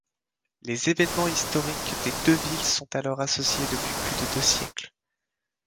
Les événements historiques des deux villes sont alors associés depuis plus de deux siècles.